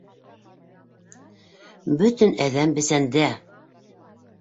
Бөтөн әҙәм бесәндә!